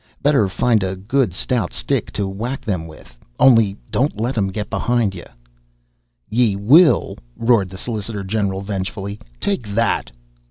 Better, find a good stout stick to whack them with. Only don't let 'em get behind ye!" "Ye will?" roared the solicitor general, vengefully. "Take that!"